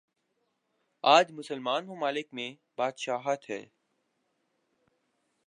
آج مسلمان ممالک میںبادشاہت ہے۔